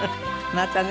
またね。